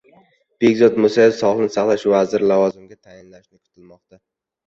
Behzod Musayev sog‘liqni saqlash vaziri lavozimiga tayinlanishi kutilmoqda